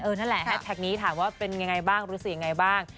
นั่นแหละแฮชแท็กนี้ถามว่าเป็นยังไงบ้างรู้สึกยังไงบ้าง